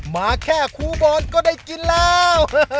มาแค่ครูบอลก็ได้กินแล้ว